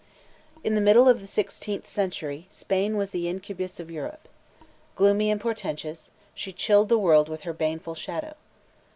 In the middle of the sixteenth century, Spain was the incubus of Europe. Gloomy and portentous, she chilled the world with her baneful shadow.